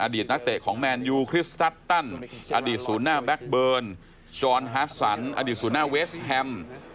ตนักเตะของแมนยูคริสตัสตันอดีตศูนย์หน้าแบ็คเบิร์นจอนฮาสสันอดีตศูนย์หน้าเวสแฮม